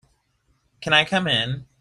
Can I come in?